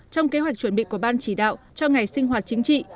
trong kế hoạch chuẩn bị của ban chỉ đạo cho ngày sinh hoạt chính trị